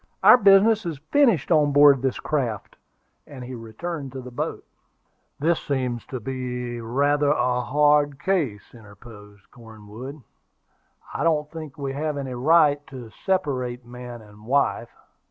"Our business is finished on board of this craft:" and he returned to the boat. "This seems to be rather a hard case," interposed Cornwood. "I don't think we have any right to separate man and wife."